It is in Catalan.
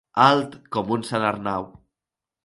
Alt com un sant Arnau.